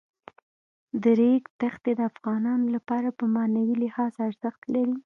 د ریګ دښتې د افغانانو لپاره په معنوي لحاظ ارزښت لري.